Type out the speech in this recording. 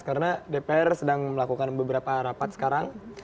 karena dpr sedang melakukan beberapa rapat sekarang